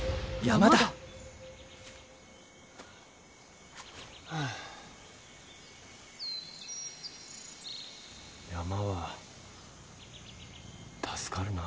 山は助かるな。